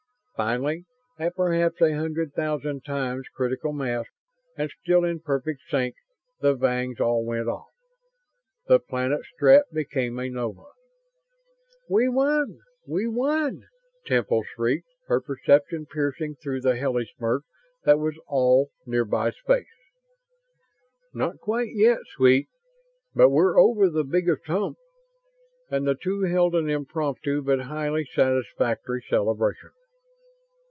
Finally, at perhaps a hundred thousand times critical mass, and still in perfect sync, the Vangs all went off. The planet Strett became a nova. "We won! We won!" Temple shrieked, her perception piercing through the hellish murk that was all nearby space. "Not quite yet, sweet, but we're over the biggest hump," and the two held an impromptu, but highly satisfactory, celebration.